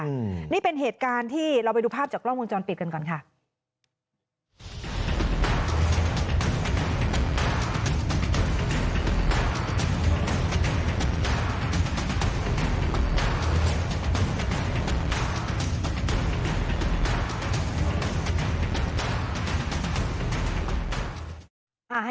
อืมนี่เป็นเหตุการณ์ที่เราไปดูภาพจากกล้องวงจรปิดกันก่อนค่ะ